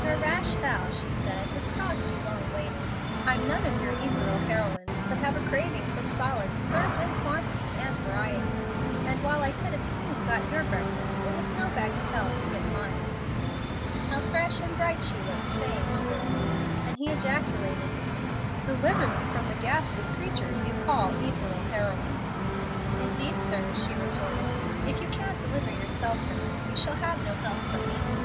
"Your rash vow," she said, "has caused you long waiting. I'm none of your ethereal heroines, but have a craving for solids served in quantity and variety. And while I could have soon got your breakfast it was no bagatelle to get mine." How fresh and bright she looked saying all this! and he ejaculated, "Deliver me from the ghastly creatures you call 'ethereal heroines.'" "Indeed, sir," she retorted, "if you can't deliver yourself from them you shall have no help from me.